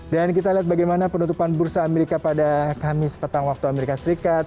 dan kita lihat bagaimana penutupan bursa amerika pada kamis petang waktu amerika serikat